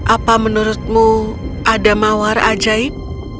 apa menurutmu ada mawar ajaib